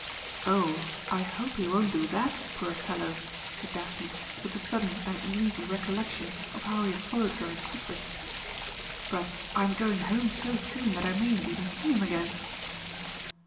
"Oh, I hope he won't do that, poor fellow," said Daphne with a sudden and uneasy recollection of how he had followed her in secret. "But I'm going home so soon that I mayn't even see him again."